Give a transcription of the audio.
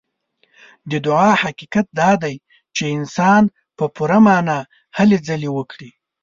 د دعا حقيقت دا دی چې انسان په پوره معنا هلې ځلې وکړي.